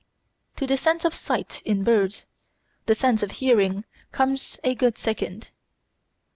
To the sense of sight in birds, the sense of hearing comes a good second.